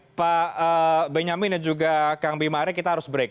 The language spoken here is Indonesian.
bapak benyamin dan juga kang bima arek kita harus break